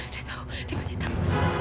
dia tahu dia masih tahu